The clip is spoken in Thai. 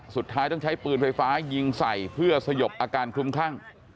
สุดท้ายต้องใช้ปืนไฟฟ้ายิงใส่เพื่อสยบอาการคลุมคลั่ง